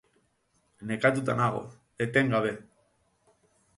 Nekatuta nago, etengabe.